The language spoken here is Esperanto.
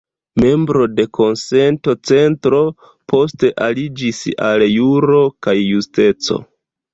Membro de Konsento-Centro, poste aliĝis al Juro kaj Justeco.